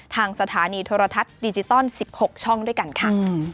ทางสถานีโทรทัศน์ดิจิตอล๑๖ช่องด้วยกันค่ะ